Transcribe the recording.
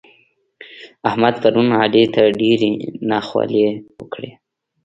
احمد پرون علي ته ډېرې ناخوالې وکړې.